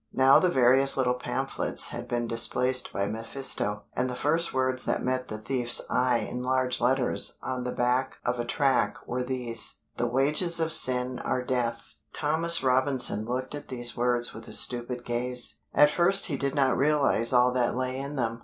Now the various little pamphlets had been displaced by mephisto, and the first words that met the thief's eye in large letters on the back of a tract were these, "THE WAGES OF SIN ARE DEATH." Thomas Robinson looked at these words with a stupid gaze. At first he did not realize all that lay in them.